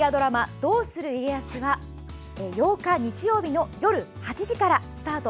「どうする家康」は８日日曜日の夜８時からスタート。